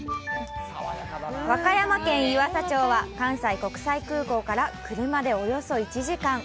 和歌山県湯浅町は、関西国際空港から車でおよそ１時間。